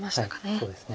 そうですね。